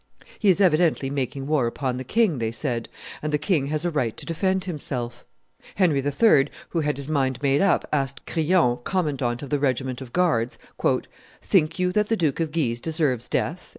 He is evidently making war upon the king, they said; and the king has a right to defend himself. Henry III., who had his mind made up, asked Crillon, commandant of the regiment of guards, "Think you that the Duke of Guise deserves death?"